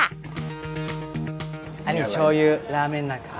อันนี้โชยูราเม็นนะคะ